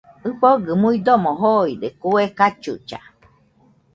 ɨfɨgɨ muidomo joide kue cachucha